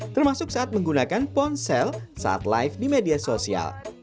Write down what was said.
termasuk saat menggunakan ponsel saat live di media sosial